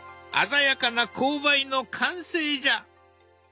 鮮やかな紅梅の完成じゃ！